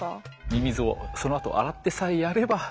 ミミズをそのあと洗ってさえやれば。